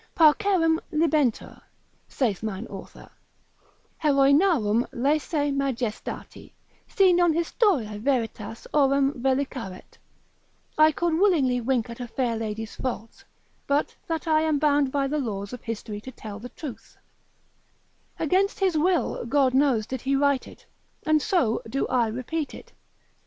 Parcerem libenter (saith mine author) Heroinarum laesae majestati, si non historiae veritas aurem vellicaret, I could willingly wink at a fair lady's faults, but that I am bound by the laws of history to tell the truth: against his will, God knows, did he write it, and so do I repeat it.